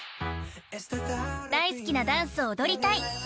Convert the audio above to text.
［大好きなダンスを踊りたい］